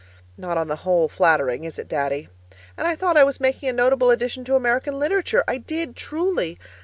Not on the whole flattering, is it, Daddy? And I thought I was making a notable addition to American literature. I did truly.